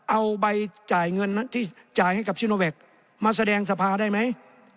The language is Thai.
เอาใบจ่ายเงินที่จ่ายให้กับซิโนแวคมาแสดงสภาได้ไหม